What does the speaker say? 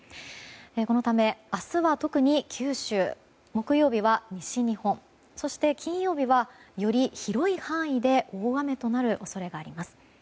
このため、明日は特に九州木曜日は西日本そして金曜日はより広い範囲で大雨となる恐れがあります。